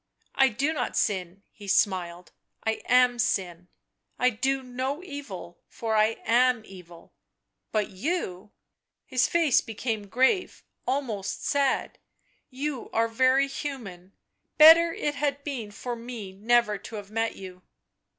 " I do not sin," he smiled. " I am Sin — I do no evil for I am Evil — but you "— his face became grave, almost sad —" you are very human, better had it been for me never to have met you.